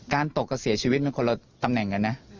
ตกกับเสียชีวิตมันคนละตำแหน่งกันนะ